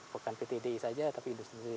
bukan pt di saja tapi industri